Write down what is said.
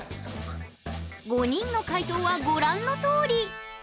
５人の解答はご覧のとおり！